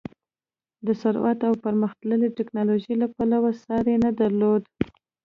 د ثروت او پرمختللې ټکنالوژۍ له پلوه ساری نه درلود.